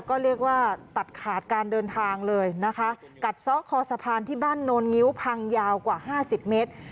ก็เรียกว่าตัดขาดการเดินทางเลยนะคะกัดซ้อคอสะพานที่บ้านโนลงิ้วพังยาวกว่าห้าสิบเมตร